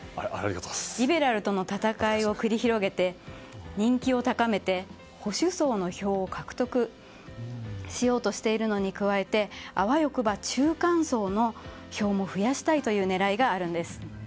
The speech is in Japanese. リベラルとの戦いを繰り広げて人気を高めて、保守層の票を獲得しようとしているのに加えてあわよくば中間層の票も増やしたいという狙いがあるんです。